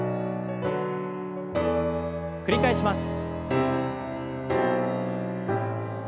繰り返します。